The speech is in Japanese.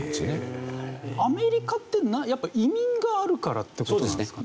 アメリカってやっぱ移民があるからって事なんですかね？